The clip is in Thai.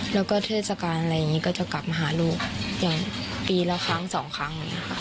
แล้วก็เทศกาลอะไรอย่างนี้ก็จะกลับมาหาลูกอย่างปีละครั้ง๒ครั้ง